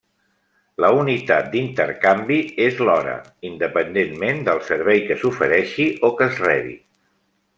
La unitat d'intercanvi és l'hora, independentment del servei que s'ofereixi o que es rebi.